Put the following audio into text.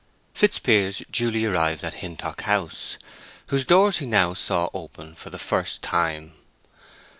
Fitzpiers duly arrived at Hintock House, whose doors he now saw open for the first time.